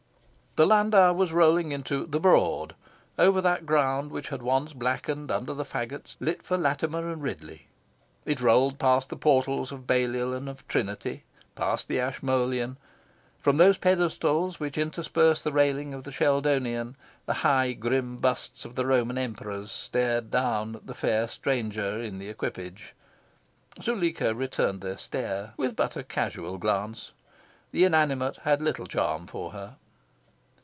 The landau was rolling into "the Broad," over that ground which had once blackened under the fagots lit for Latimer and Ridley. It rolled past the portals of Balliol and of Trinity, past the Ashmolean. From those pedestals which intersperse the railing of the Sheldonian, the high grim busts of the Roman Emperors stared down at the fair stranger in the equipage. Zuleika returned their stare with but a casual glance. The inanimate had little charm for her.